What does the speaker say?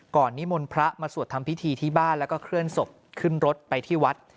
นิมนต์พระมาสวดทำพิธีที่บ้านแล้วก็เคลื่อนศพขึ้นรถไปที่วัด